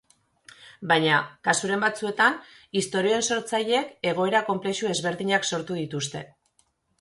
Baina, kasuren batzuetan, istorioen sortzaileek, egoera konplexu ezberdinak sortu dituzte.